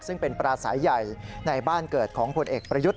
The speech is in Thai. ซึ่งเป็นปลาสายใหญ่ในบ้านเกิดของผลเอกประยุทธ์